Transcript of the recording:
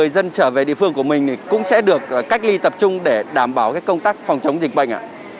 các bệnh nhân sẽ được cách ly tập trung để đảm bảo công tác phòng chống dịch bệnh